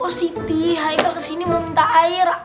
oh siti hai kal kesini mau minta air